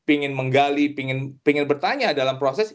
ingin menggali ingin bertanya dalam proses